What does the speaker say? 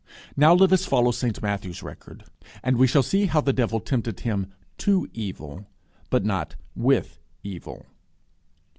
Now let us follow St Matthew's record. And we shall see how the devil tempted him to evil, but not with evil.